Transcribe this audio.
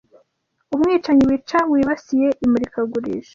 Umwicanyi wica, wibasiye imurikagurisha,